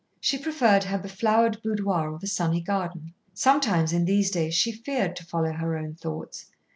She preferred her beflowered boudoir or the sunny garden. Sometimes in these days she feared to follow her own thoughts.